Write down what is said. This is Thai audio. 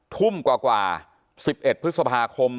ทุ่มกว่า๑๑พฤษภาคม